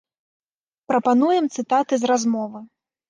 Прапануем цытаты з размовы.